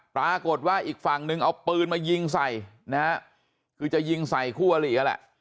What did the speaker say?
ปรากฏว่าอีกฝั่งนึงเอาปืนมายิงใส่นะฮะคือจะยิงใส่คู่อลีนั่นแหละ